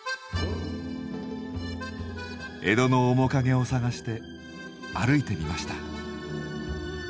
江戸の面影を探して歩いてみました。